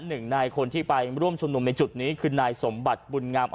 หนึ่งนายคนที่ไปร่วมชุมนุมในจุดนี้คือนายสมบัติบุญงาม